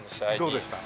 どうでした？